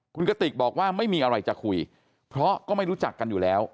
คุณกติกบอกว่าไม่มีอะไรจะคุยเพราะก็ไม่รู้จักกันอยู่แล้ว